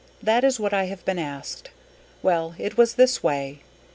That is what I have been asked. Well, it was this way.